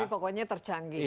tapi pokoknya tercanggih